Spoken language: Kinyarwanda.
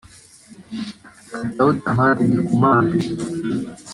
Katauti Hamadi Ndikumana